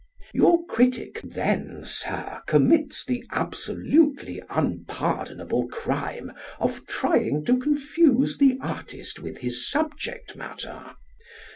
Your critic then, Sir, commits the absolutely unpardonable crime of trying to confuse the artist with his subject matter.